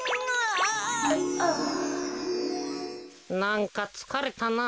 なんかつかれたな。